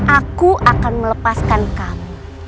aku akan melepaskan kamu